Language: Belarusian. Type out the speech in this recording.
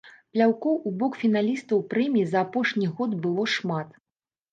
Пляўкоў у бок фіналістаў прэміі за апошні год было шмат.